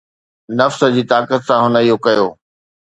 نفس جي طاقت سان، هن اهو ڪيو